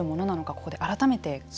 ここで改めて。